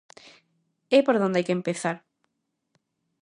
É por onde hai que empezar.